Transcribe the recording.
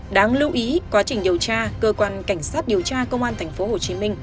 đáng lưu ý quá trình điều tra cơ quan cảnh sát điều tra công an tp hcm